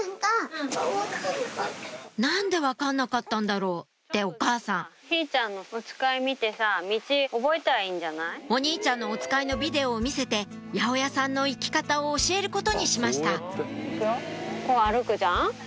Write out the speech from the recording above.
「何で分かんなかったんだろう」ってお母さんお兄ちゃんの『おつかい』のビデオを見せて八百屋さんの行き方を教えることにしました行くよこう歩くじゃん。